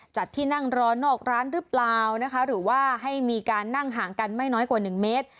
จัดที่นั่งรอนอกร้านหรือเปล่านะคะหรือว่าให้มีการนั่งห่างกันไม่น้อยกว่า๑เมตร